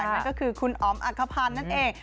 นั่นก็คือคุณอ๋อมอักขพันธ์นั่นเอง